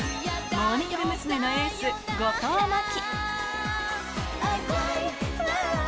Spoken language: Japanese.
モーニング娘。のエース、後藤真希。